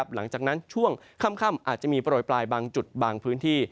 หลังจากนั้นช่วงค่ำอาจจะมีโปรยปลายบางจุดบางพื้นที่